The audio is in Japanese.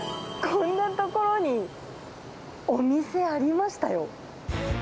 こんな所にお店ありましたよ。